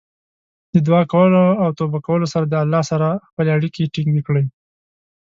د دعا کولو او توبه کولو سره د الله سره خپلې اړیکې ټینګې کړئ.